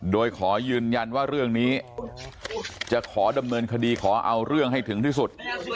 โดยขอยืนยันว่าเรื่องนี้จะขอดำเนินคดีขอเอาเรื่องให้ถึงที่สุด